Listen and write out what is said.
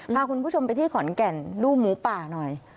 พาคุณผู้ชมไปที่ขอนแก่นดูหมูป่าหน่อย